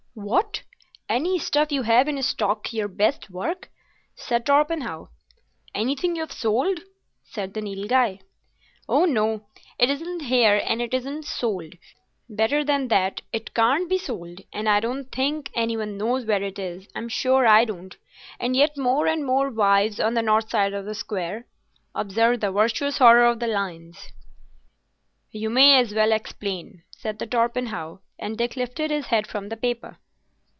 "What! any stuff you have in stock your best work?" said Torpenhow. "Anything you've sold?" said the Nilghai. "Oh no. It isn't here and it isn't sold. Better than that, it can't be sold, and I don't think any one knows where it is. I'm sure I don't.... And yet more and more wives, on the north side of the square. Observe the virtuous horror of the lions!" "You may as well explain," said Torpenhow, and Dick lifted his head from the paper.